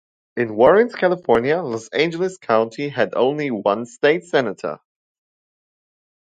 In Warren's California, Los Angeles County had only one state senator.